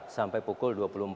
sampai pukul dua puluh empat